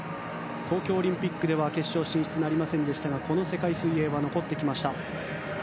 東京オリンピックでは決勝進出なりませんでしたがこの世界水泳は残ってきました。